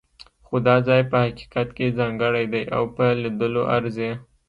خو دا ځای په حقیقت کې ځانګړی دی او په لیدلو ارزي.